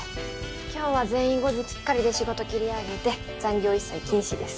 今日は全員５時きっかりで仕事切り上げて残業一切禁止です。